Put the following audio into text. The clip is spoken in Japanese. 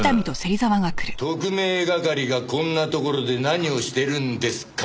特命係がこんなところで何をしてるんですか？